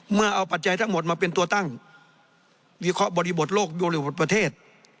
เมื่อเอาปัจจัยทั้งหมดมาเป็นตัวตั้งวิเคราะห์บริบทโลกยุริบทประเทศ